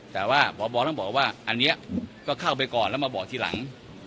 แต่ว่าพบต้องบอกว่าอันนี้ก็เข้าไปก่อนแล้วมาบอกทีหลัง